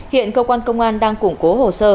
hiện cơ quan công an đang củng cố hồ sơ